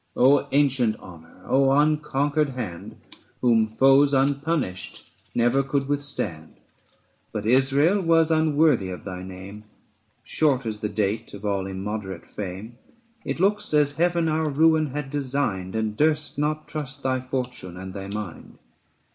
Oh ancient honour! oh unconquered hand, Whom foes unpunished never could withstand! 845 But Israel was unworthy of thy name : Short is the date of all immoderate fame. It looks as Heaven our ruin had designed, And durst not trust thy fortune and thy mind.